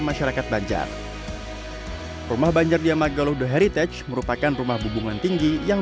masyarakat banjar rumah banjar di amagalodo heritage merupakan rumah hubungan tinggi yang